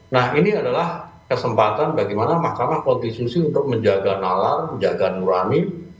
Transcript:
nah ini adalah kesempatan bagaimana mahkamah konstitusi untuk menjaga nalar menjaga nurani